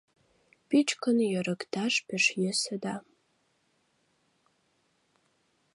Пӱчкын йӧрыкташ пеш йӧсӧ да.